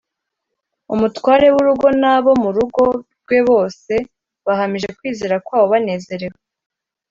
umutware w’urugo n’abo mu rugo rwe bose bahamije kwizera kwabo banezerewe